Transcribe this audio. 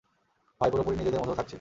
ভাই, পুরোপুরি নিজেদের মতো থাকছি।